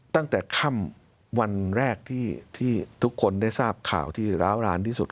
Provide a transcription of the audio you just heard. ตั้งแต่ค่ำวันแรกที่ทุกคนได้ทราบข่าวที่ร้าวร้านที่สุด